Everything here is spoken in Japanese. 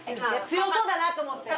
強そうだなと思って。